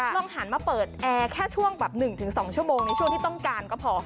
หันมาเปิดแอร์แค่ช่วงแบบ๑๒ชั่วโมงในช่วงที่ต้องการก็พอ